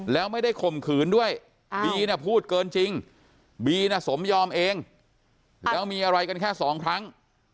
แล้วไม่ได้ข่มขืนด้วยบีเนี่ยพูดเกินจริงบีน่ะสมยอมเองแล้วมีอะไรกันแค่สองครั้ง